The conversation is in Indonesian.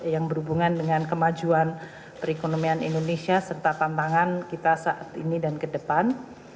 yang berhubungan dengan kemajuan perekonomian indonesia serta tantangan kita saat ini dan ke depan